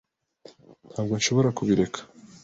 Ntabwo nshobora kubireka .